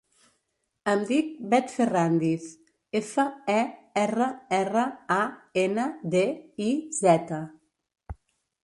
Em dic Bet Ferrandiz: efa, e, erra, erra, a, ena, de, i, zeta.